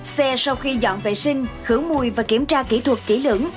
xe sau khi dọn vệ sinh khử mùi và kiểm tra kỹ thuật kỹ lưỡng